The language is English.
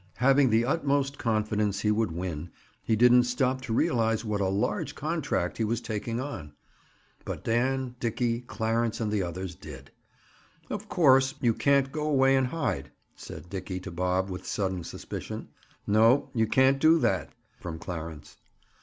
Having the utmost confidence he would win, he didn't stop to realize what a large contract he was taking on. But Dan, Dickie, Clarence and the others did. "Of course, you can't go away and hide," said Dickie to Bob with sudden suspicion. "No; you can't do that," from Clarence.